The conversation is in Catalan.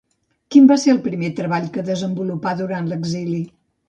Quin va ser el primer treball que desenvolupà durant l'exili?